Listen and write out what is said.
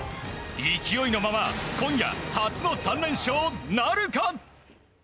勢いのまま今夜、初の３連勝なるか。